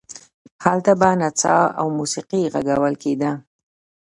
هلته به نڅا او موسیقي غږول کېده.